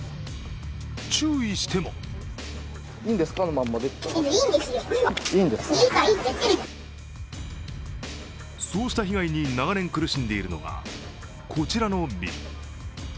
注意してもそうした被害に長年苦しんでいるのが、こちらのビル。